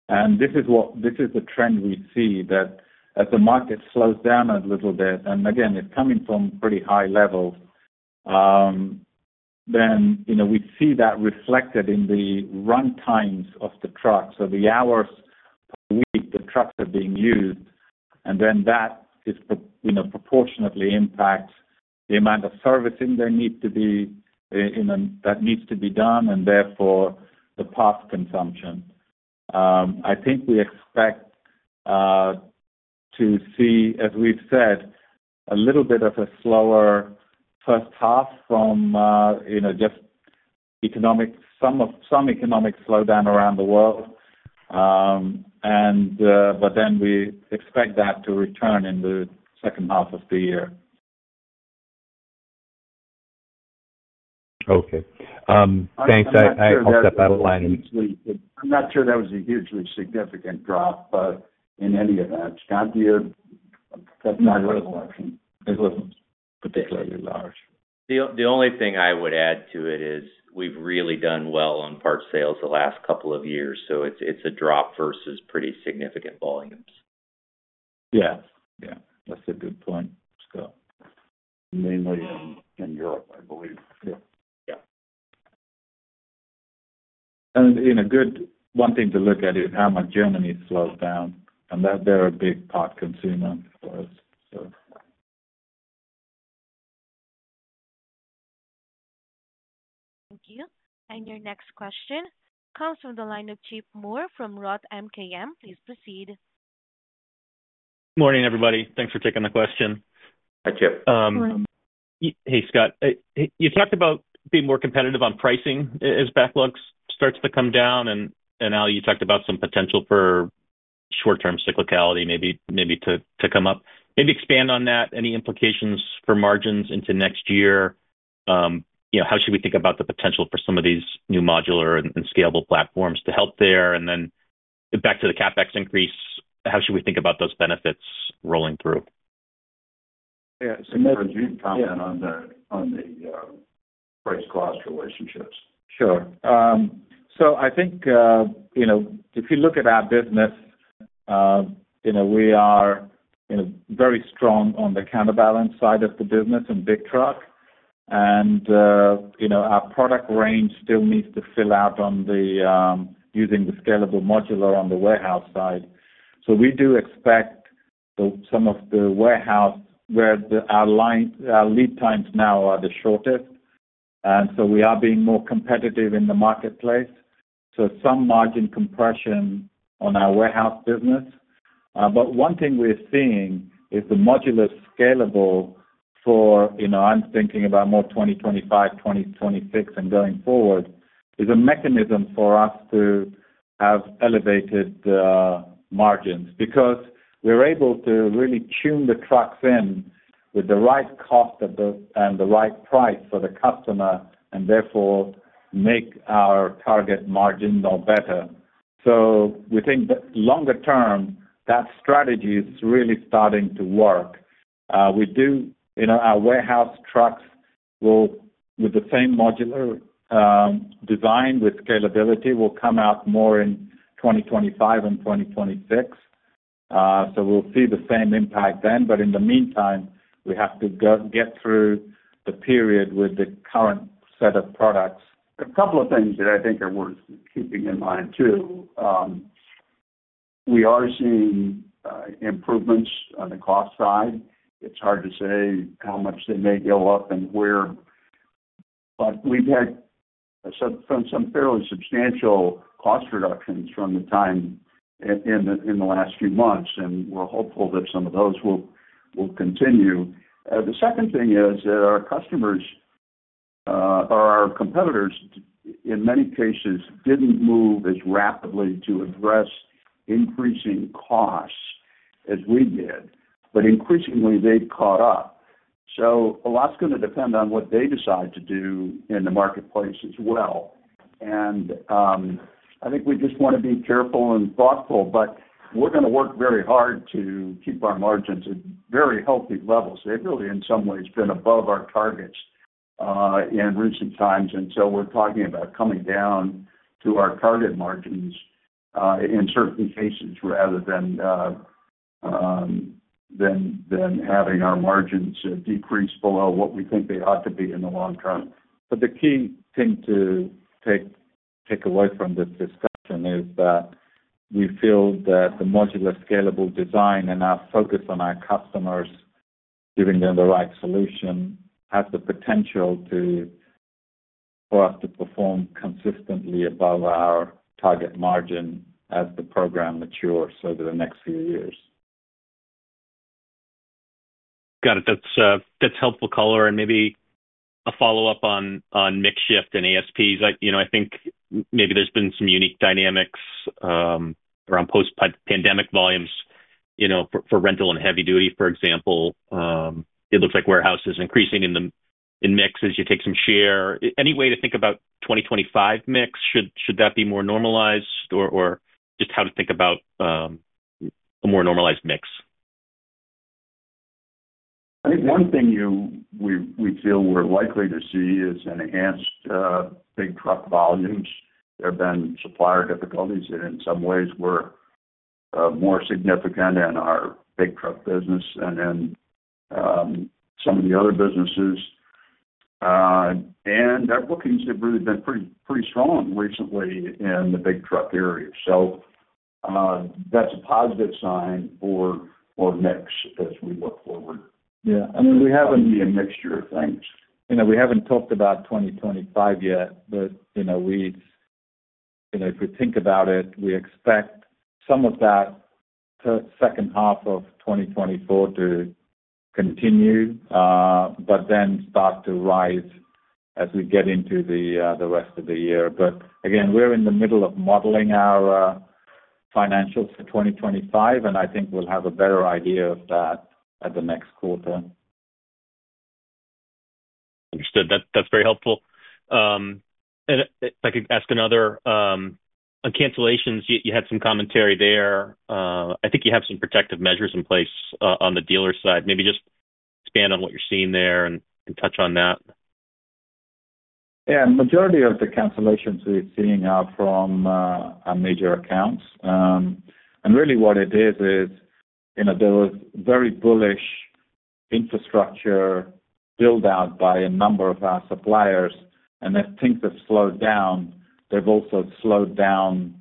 C: This is the trend we see, that as the market slows down a little bit and, again, it's coming from pretty high levels, then we see that reflected in the run times of the trucks. So the hours per week the trucks are being used, and then that proportionately impacts the amount of servicing that needs to be done and, therefore, the parts consumption. I think we expect to see, as we've said, a little bit of a slower first half from just some economic slowdown around the world. Then we expect that to return in the H2 of the year.
F: Okay. Thanks. I'll step out of line and.
C: I'm not sure that was a hugely significant drop, but in any event, Scott, do you have a recollection? [inaudible] It wasn't particularly large.
D: The only thing I would add to it is we've really done well on parts sales the last couple of years, so it's a drop versus pretty significant volumes.
C: Yeah. Yeah. That's a good point, Scott.
E: Mainly in Europe, I believe. Yeah.
D: Yeah.
C: One thing to look at is how much Germany slowed down, and they're a big part consumer for us, so.
A: Thank you. And your next question comes from the line of Chip Moore from Roth MKM. Please proceed.
G: Good morning, everybody. Thanks for taking the question.
A: Hi, Chip.
G: Hey, Scott. You talked about being more competitive on pricing as backlogs start to come down. Al, you talked about some potential for short-term cyclicality maybe to come up. Maybe expand on that. Any implications for margins into next year? How should we think about the potential for some of these new modular and scalable platforms to help there? And then back to the CapEx increase, how should we think about those benefits rolling through?
C: Yeah. Just a brief comment on the price-cost relationships. [inaudible]
E: Sure. So I think if you look at our business, we are very strong on the counterbalance side of the business in big truck. And our product range still needs to fill out using the scalable modular on the warehouse side. So we do expect some of the warehouse where our lead times now are the shortest. And so we are being more competitive in the marketplace. So some margin compression on our warehouse business. But one thing we're seeing is the modular scalable for, I'm thinking about more 2025, 2026, and going forward, is a mechanism for us to have elevated margins because we're able to really tune the trucks in with the right cost and the right price for the customer and, therefore, make our target margins all better. So we think, longer term, that strategy is really starting to work. Our warehouse trucks, with the same modular design with scalability, will come out more in 2025 and 2026. So we'll see the same impact then. But in the meantime, we have to get through the period with the current set of products. A couple of things that I think are worth keeping in mind, too. We are seeing improvements on the cost side. It's hard to say how much they may go up and where. But we've had some fairly substantial cost reductions from the time in the last few months, and we're hopeful that some of those will continue. The second thing is that our customers or our competitors, in many cases, didn't move as rapidly to address increasing costs as we did. But increasingly, they've caught up. So a lot's going to depend on what they decide to do in the marketplace as well. And I think we just want to be careful and thoughtful, but we're going to work very hard to keep our margins at very healthy levels. They've really, in some ways, been above our targets in recent times. We're talking about coming down to our target margins in certain cases rather than having our margins decrease below what we think they ought to be in the long term. The key thing to take away from this discussion is that we feel that the modular scalable design and our focus on our customers, giving them the right solution, has the potential for us to perform consistently above our target margin as the program matures over the next few years.
G: Got it. That's helpful color. Maybe a follow-up on mix shift and ASPs. I think maybe there's been some unique dynamics around post-pandemic volumes. For rental and heavy-duty, for example, it looks like warehouse is increasing in mix as you take some share. Any way to think about 2025 mix? Should that be more normalized, or just how to think about a more normalized mix?
E: I think one thing we feel we're likely to see is enhanced big truck volumes. There have been supplier difficulties that, in some ways, were more significant in our big truck business than in some of the other businesses. Our bookings have really been pretty strong recently in the big truck area. That's a positive sign for mix as we look forward.
F: Yeah. I mean, we haven't.
E: That may be a mixture of things.
C: We haven't talked about 2025 yet, but if we think about it, we expect some of that H2 of 2024 to continue but then start to rise as we get into the rest of the year. But again, we're in the middle of modeling our financials for 2025, and I think we'll have a better idea of that at the next quarter.
G: Understood. That's very helpful. If I could ask another on cancellations, you had some commentary there. I think you have some protective measures in place on the dealer side. Maybe just expand on what you're seeing there and touch on that.
C: Yeah. Majority of the cancellations we're seeing are from our major accounts. And really, what it is is there was very bullish infrastructure buildout by a number of our suppliers. And as things have slowed down, they've also slowed down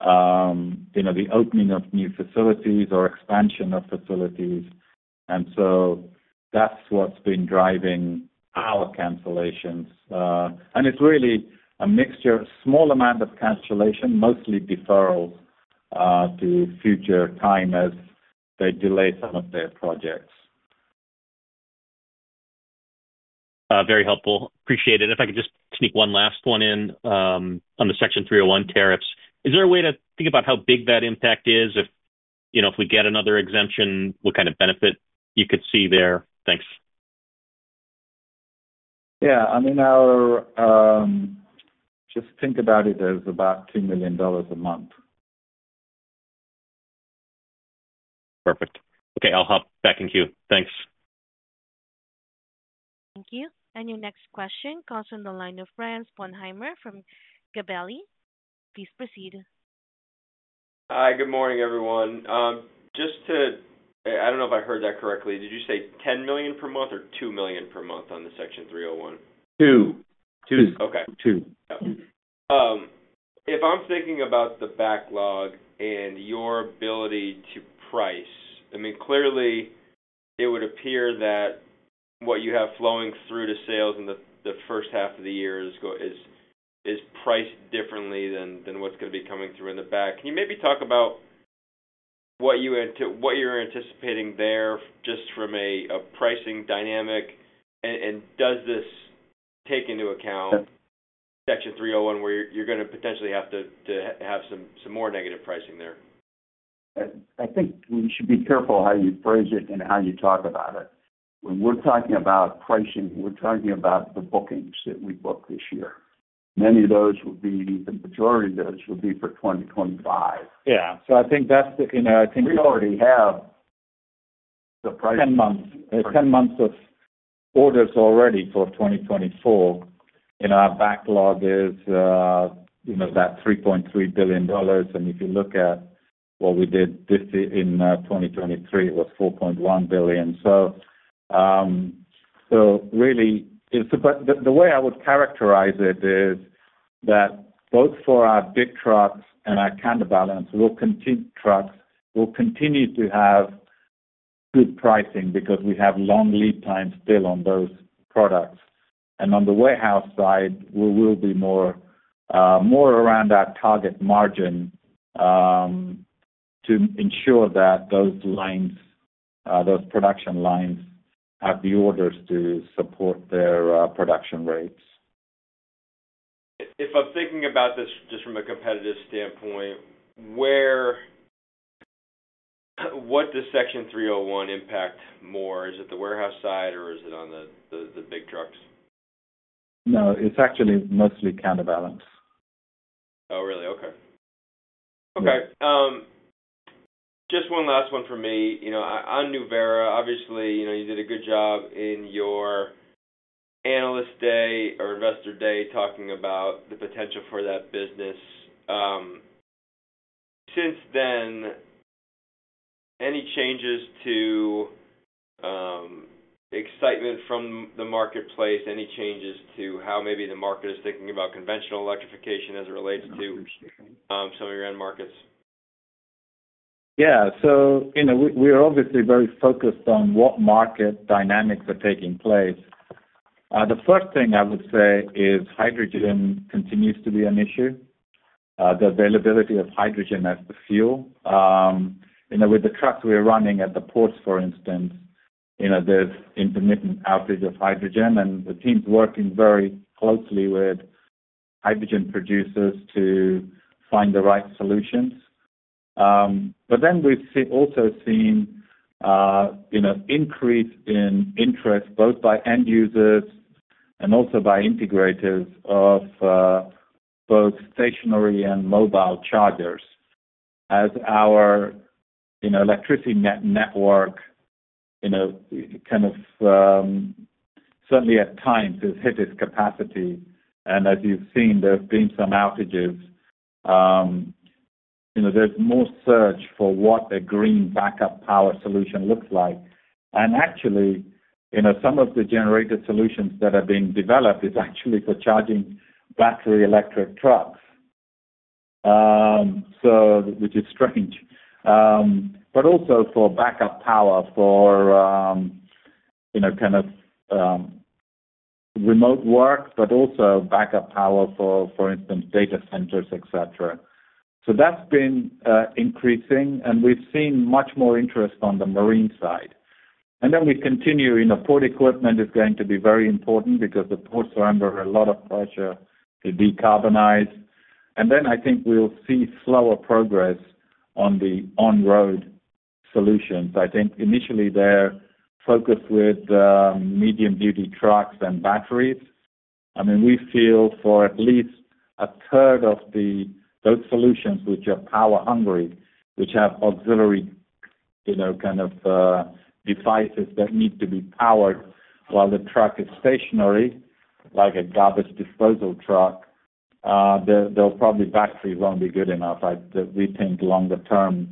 C: the opening of new facilities or expansion of facilities. And so that's what's been driving our cancellations. And it's really a mixture, a small amount of cancellation, mostly deferrals to future time as they delay some of their projects.
G: Very helpful. Appreciate it. If I could just sneak one last one in on the Section 301 tariffs, is there a way to think about how big that impact is? If we get another exemption, what kind of benefit you could see there? Thanks.
C: Yeah. I mean, just think about it as about $2 million a month.
G: Perfect. Okay. I'll hop back in queue. Thanks.
A: Thank you. And your next question comes from the line of Brian C. Sponheimer from Gabelli. Please proceed.
H: Hi. Good morning, everyone. I don't know if I heard that correctly. Did you say $10 million per month or $2 million per month on the Section 301?
C: Two.
E: Two.
D: Two.
H: Okay. If I'm thinking about the backlog and your ability to price, I mean, clearly, it would appear that what you have flowing through to sales in the first half of the year is priced differently than what's going to be coming through in the back. Can you maybe talk about what you're anticipating there just from a pricing dynamic? And does this take into account Section 301 where you're going to potentially have to have some more negative pricing there?
E: I think we should be careful how you phrase it and how you talk about it. When we're talking about pricing, we're talking about the bookings that we book this year. Many of those, the majority of those, would be for 2025.
C: Yeah. So I think that's the, I think. We already have the price. 10 months of orders already for 2024. Our backlog is that $3.3 billion. And if you look at what we did in 2023, it was $4.1 billion. So really, but the way I would characterize it is that both for our big trucks and our counterbalance, we'll continue to have good pricing because we have long lead times still on those products. And on the warehouse side, we will be more around our target margin to ensure that those production lines have the orders to support their production rates.
H: If I'm thinking about this just from a competitive standpoint, what does Section 301 impact more? Is it the warehouse side, or is it on the big trucks?
C: No. It's actually mostly counterbalance.
H: Oh, really? Okay. Okay. Just one last one from me. On Nuvera, obviously, you did a good job in your analyst day or investor day talking about the potential for that business. Since then, any changes to excitement from the marketplace? Any changes to how maybe the market is thinking about conventional electrification as it relates to some of your end markets?
C: Yeah. So we're obviously very focused on what market dynamics are taking place. The first thing I would say is hydrogen continues to be an issue, the availability of hydrogen as the fuel. With the trucks we're running at the ports, for instance, there's intermittent outage of hydrogen. And the team's working very closely with hydrogen producers to find the right solutions. But then we've also seen an increase in interest both by end users and also by integrators of both stationary and mobile chargers as our electricity network kind of certainly, at times, has hit its capacity. And as you've seen, there have been some outages. There's more search for what a green backup power solution looks like. And actually, some of the generator solutions that have been developed is actually for charging battery electric trucks, which is strange, but also for backup power for kind of remote work but also backup power for, for instance, data centers, etc. So that's been increasing. And we've seen much more interest on the marine side. And then we continue port equipment is going to be very important because the ports are under a lot of pressure to decarbonize. And then I think we'll see slower progress on the on-road solutions. I think, initially, they're focused with medium-duty trucks and batteries. I mean, we feel for at least a third of those solutions, which are power-hungry, which have auxiliary kind of devices that need to be powered while the truck is stationary like a garbage disposal truck, probably batteries won't be good enough. We think, longer term,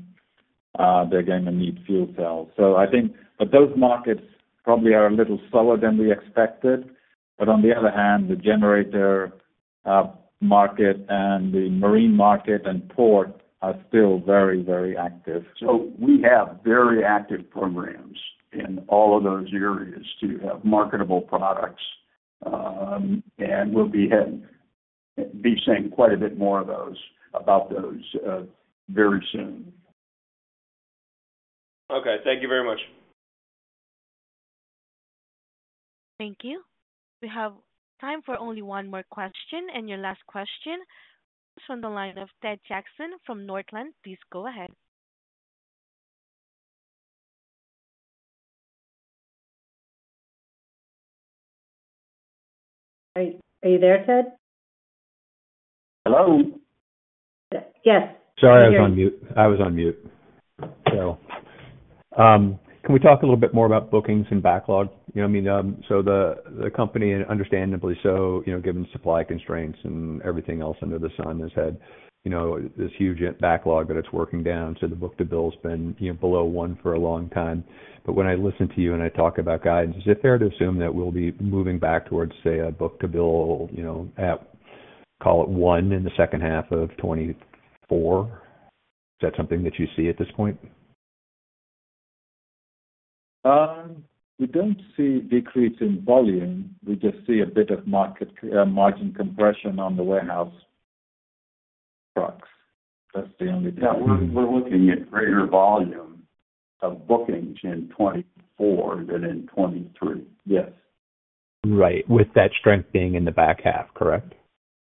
C: they're going to need fuel cells. But those markets probably are a little slower than we expected. But on the other hand, the generator market and the marine market and port are still very, very active.
E: We have very active programs in all of those areas to have marketable products. We'll be seeing quite a bit more about those very soon.
H: Okay. Thank you very much.
A: Thank you. We have time for only one more question. Your last question is from the line of Ted Jackson from Northland. Please go ahead.
B: Are you there, Ted?
F: Hello?
B: Yes.
F: Sorry. I was on mute. I was on mute, so. Can we talk a little bit more about bookings and backlog? I mean, so the company, understandably so, given supply constraints and everything else under the sun, has had this huge backlog that it's working down. So the book-to-bill has been below one for a long time. But when I listen to you and I talk about guidance, is it fair to assume that we'll be moving back towards, say, a book-to-bill at, call it, one in the H2 of 2024? Is that something that you see at this point?
C: We don't see decrease in volume. We just see a bit of margin compression on the warehouse trucks. That's the only thing.
E: Yeah. We're looking at greater volume of bookings in 2024 than in 2023. Yes.
F: Right. With that strength being in the back half, correct?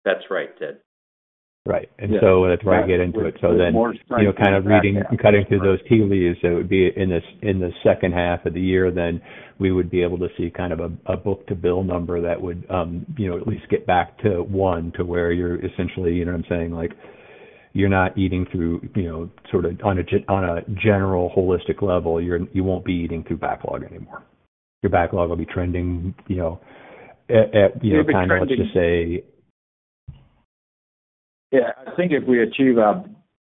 E: That's right, Ted.
F: Right. And so that's where I get into it. So then kind of cutting through those tea leaves, it would be in the H2 of the year, then we would be able to see kind of a book-to-bill number that would at least get back to one to where you're essentially you know what I'm saying? You're not eating through sort of on a general, holistic level, you won't be eating through backlog anymore. Your backlog will be trending at kind of, let's just say.
C: Yeah. I think if we achieve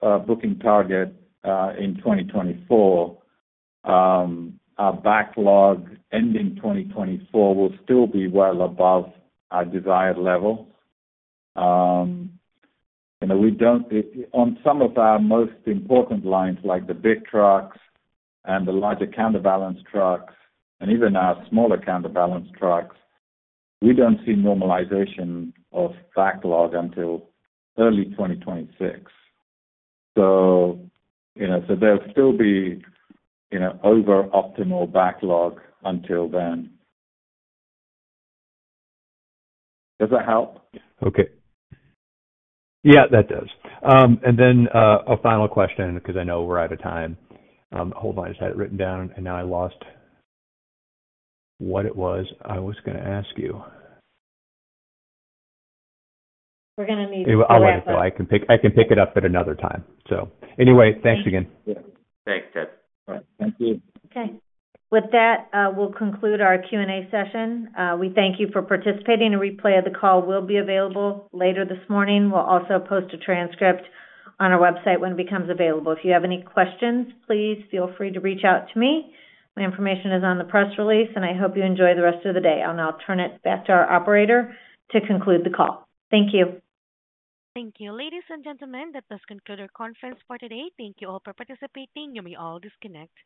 C: our booking target in 2024, our backlog ending 2024 will still be well above our desired level. On some of our most important lines, like the big trucks and the larger counterbalance trucks and even our smaller counterbalance trucks, we don't see normalization of backlog until early 2026. So there'll still be overoptimal backlog until then. Does that help?
F: Okay. Yeah. That does. And then a final question because I know we're out of time. Hold on. I just had it written down. And now I lost what it was I was going to ask you.
B: We're going to need to run out of time.
F: I'll let it go. I can pick it up at another time. So anyway, thanks again.
H: Thanks, Ted.
C: Thank you.
B: Okay. With that, we'll conclude our Q&A session. We thank you for participating. A replay of the call will be available later this morning. We'll also post a transcript on our website when it becomes available. If you have any questions, please feel free to reach out to me. My information is on the press release, and I hope you enjoy the rest of the day. I'll turn it back to our operator to conclude the call. Thank you.
A: Thank you. Ladies and gentlemen, that does conclude our conference for today. Thank you all for participating. You may all disconnect.